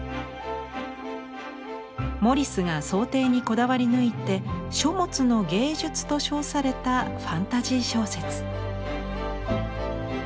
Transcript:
モリスが装丁にこだわりぬいて「書物の芸術」と称されたファンタジー小説。